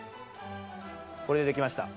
これでできました。